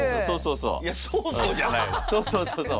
そうそうそうそう。